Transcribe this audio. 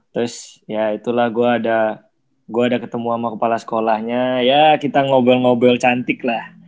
terus ya itulah gue ada ketemu sama kepala sekolahnya ya kita ngobrol ngobrol cantik lah